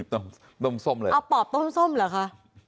ต้มส้มเลยอ้าวปอบต้มส้มเหรอคะ